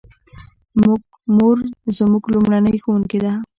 مور زموږ لومړنۍ ښوونکې ده